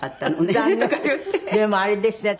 でもあれですね